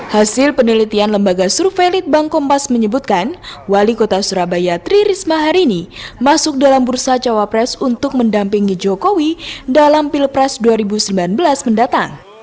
hasil penelitian lembaga survei litbang kompas menyebutkan wali kota surabaya tri risma hari ini masuk dalam bursa cawapres untuk mendampingi jokowi dalam pilpres dua ribu sembilan belas mendatang